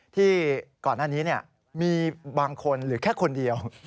ที่ก่อนหน้านี้มีบางคนหรือแค่คนเดียว